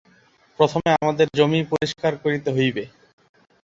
প্রথমে আমাদের জমি পরিষ্কার করিতে হইবে।